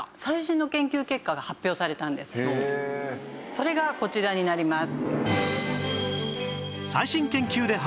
それがこちらになります。